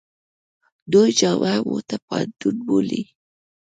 دوی جامعه موته پوهنتون بولي.